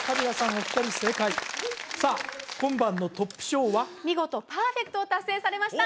お二人正解さあ今晩のトップ賞は見事パーフェクトを達成されました